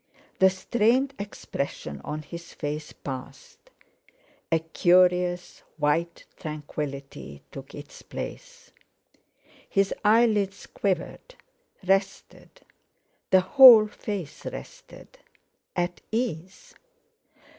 The strained expression on his face passed, a curious white tranquillity took its place. His eyelids quivered, rested; the whole face rested; at ease.